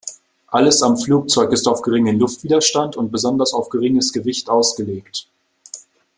Alles am Flugzeug ist auf geringen Luftwiderstand und besonders auf geringes Gewicht ausgelegt.